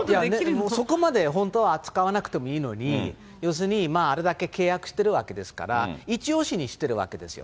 そこまで本当は扱わなくてもいいのに、要するにあれだけ契約してるわけですから、一押しにしてるわけですよ。